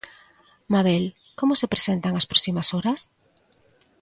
Mabel, como se presentan as próximas horas?